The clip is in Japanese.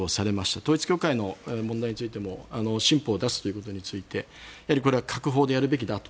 統一教会の問題についても新法を出すということでこれは閣法でやるべきだと。